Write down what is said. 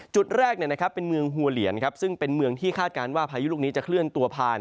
จุดแรกเป็นเมืองหัวเหลียนซึ่งเป็นเมืองที่คาดการณ์ว่าพายุลูกนี้จะเคลื่อนตัวผ่าน